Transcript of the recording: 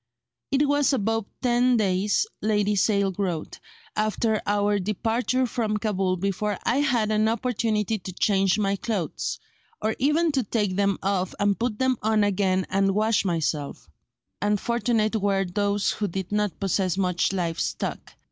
"It was above ten days," Lady Sale wrote, "after our departure from Cabul before I had an opportunity to change my clothes, or even to take them off and put them on again and wash myself; and fortunate were those who did not possess much live stock.